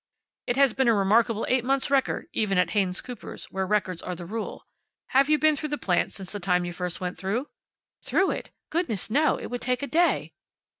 "It has been a remarkable eight months' record, even at Haynes Cooper's, where records are the rule. Have you been through the plant since the time you first went through?" "Through it! Goodness, no! It would take a day."